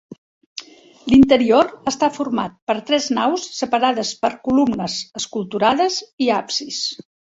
L'interior està format per tres naus, separades per columnes esculturades, i absis.